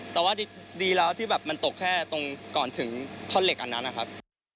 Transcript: แต่ว่าดีแล้วที่แบบมันตกแค่ตรงก่อนถึงท่อนเหล็กอันนั้นนะครับ